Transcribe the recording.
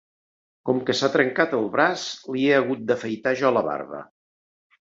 Com que s'ha trencat el braç, li he hagut d'afaitar jo la barba.